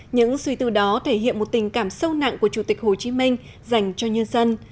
những suy tư đó thể hiện một tình cảm sâu nặng của chủ tịch hồ chí minh dành cho nhân dân